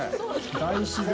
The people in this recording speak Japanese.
大自然。